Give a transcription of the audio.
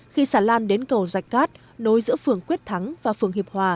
khi xà lan đến cầu rạch cát nối giữa phường quyết thắng và phường hiệp hòa